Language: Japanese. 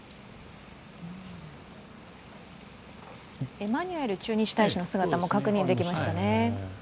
エマニュエル駐日大使の姿も確認されましたね。